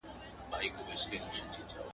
• په خندا پسې ژړا سته.